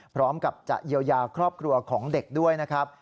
พร้อมกับจะเยียวยาครอบครัวของเด็กด้วยนะครับ